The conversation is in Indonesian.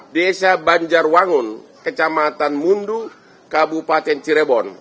desa banjarwangun kecamatan mundu kabupaten cirebon